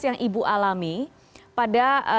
yang ibu alami pada